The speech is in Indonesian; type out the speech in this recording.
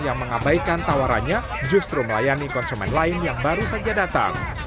yang mengabaikan tawarannya justru melayani konsumen lain yang baru saja datang